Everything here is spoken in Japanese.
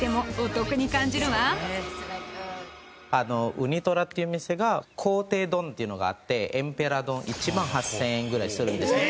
うに虎っていう店が皇帝丼っていうのがあってエンペラー丼１万８０００円ぐらいするんですけど。